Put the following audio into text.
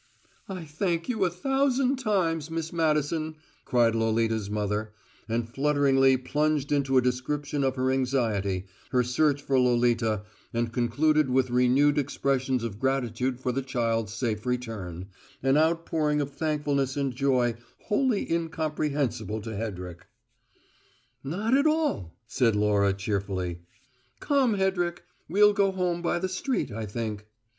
"I thank you a thousand times, Miss Madison," cried Lolita's mother, and flutteringly plunged into a description of her anxiety, her search for Lolita, and concluded with renewed expressions of gratitude for the child's safe return, an outpouring of thankfulness and joy wholly incomprehensible to Hedrick. "Not at all," said Laura cheerfully. "Come, Hedrick. We'll go home by the street, I think."